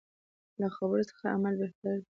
له خبرو څه عمل بهتر دی.